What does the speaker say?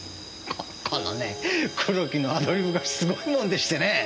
このね黒木のアドリブがすごいもんでしてねえ。